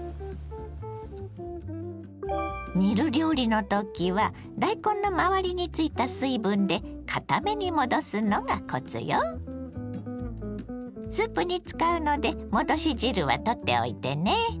煮る料理の時は大根の周りについた水分でスープに使うので戻し汁は取っておいてね。